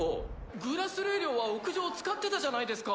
グラスレー寮は屋上使ってたじゃないですか。